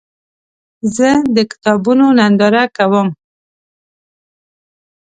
زه د کتابونو ننداره کوم.